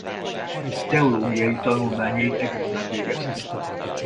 Teológiai tanulmányait Egerben végezte.